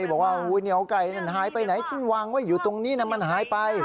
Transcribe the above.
บอกว่าอุ๊ยเหนียวไก่น่ะหายไปไหนวางไว้อยู่ตรงนี้น่ะมันหายไป